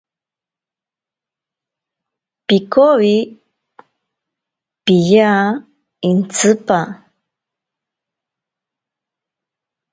Pikowi piya intsipa.